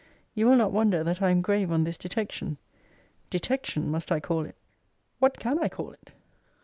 You will not wonder that I am grave on this detection Detection, must I call it? What can I call it?